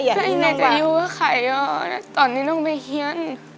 สักวันไหนจะอยู่กับใครอะตอนนี้น้องไม่เฮียน